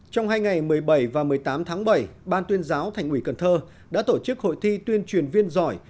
trong hai ngày một mươi bảy và một mươi tám tháng bảy ban tuyên giáo thành ủy cần thơ đã tổ chức hội thi tuyên truyền viên giỏi